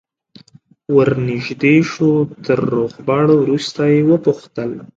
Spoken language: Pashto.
ور نژدې شو تر روغبړ وروسته یې وپوښتل.